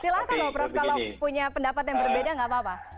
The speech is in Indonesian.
silahkan loh prof kalau punya pendapat yang berbeda nggak apa apa